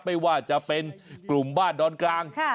ไม่ว่าจะเป็นกลุ่มบ้านดอนกลาง